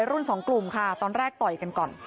รุ่นสองกลุ่มค่ะตอนแรกต่อยกันก่อน